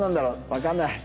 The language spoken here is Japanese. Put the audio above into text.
わかんない。